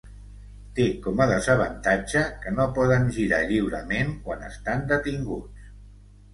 Té com a desavantatge que no poden girar lliurement quan estan detinguts.